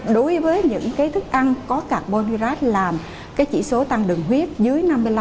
đối với những thức ăn có carbon hydrate làm chỉ số tăng đường huyết dưới năm mươi năm